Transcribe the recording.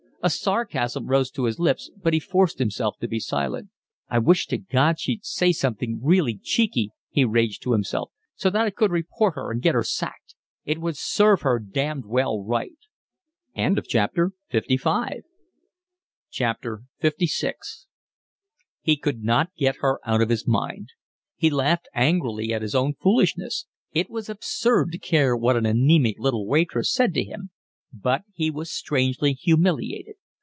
A sarcasm rose to his lips, but he forced himself to be silent. "I wish to God she'd say something really cheeky," he raged to himself, "so that I could report her and get her sacked. It would serve her damned well right." LVI He could not get her out of his mind. He laughed angrily at his own foolishness: it was absurd to care what an anaemic little waitress said to him; but he was strangely humiliated.